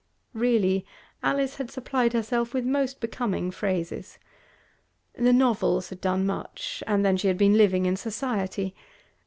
Really, Alice had supplied herself with most becoming phrases. The novels had done much; and then she had been living in society.